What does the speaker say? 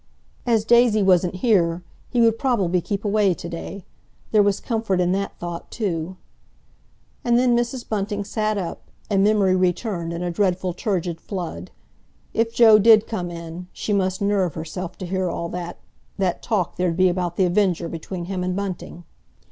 As Daisy wasn't here, he would probably keep away to day. There was comfort in that thought, too. And then Mrs. Bunting sat up, and memory returned in a dreadful turgid flood. If Joe did come in, she must nerve herself to hear all that—that talk there'd be about The Avenger between him and Bunting.